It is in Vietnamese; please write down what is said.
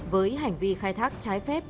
với hành vi khai thác trái phép